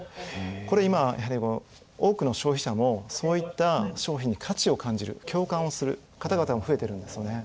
これ今多くの消費者もそういった商品に価値を感じる共感をする方々も増えてるんですよね。